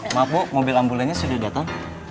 maaf bu mobil ambulannya sudah datang